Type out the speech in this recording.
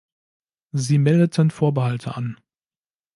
Sie meldeten Vorbehalte an.